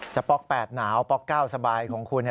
ป๊อก๘หนาวป๊อก๙สบายของคุณ